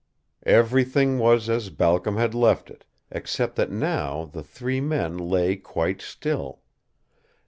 Everything was as Balcom had left it, except that now the three men lay quite still.